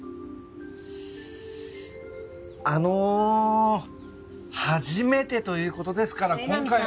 あの初めてということですから今回は。